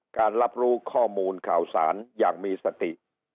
การรับรู้ข้อมูลข่าวสารอย่างมีสติ